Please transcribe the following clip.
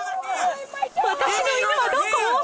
私の犬はどこ？